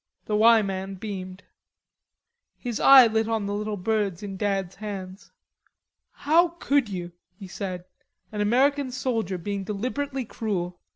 The "Y" man beamed. His eye lit on the little birds in Dad's hands. "How could you?" he said. "An American soldier being deliberately cruel.